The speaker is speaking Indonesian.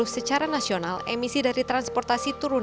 secara nasional emisi dari transportasi turun